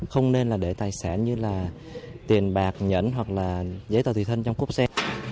không nên để tài sản như tiền bạc nhẫn hoặc giấy tờ tùy thân trong cúp xe